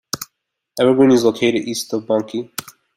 Evergreen is located east of Bunkie.